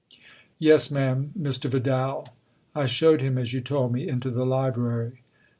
" Yes, ma'am Mr. Vidal. I showed him, as you told me, into the library."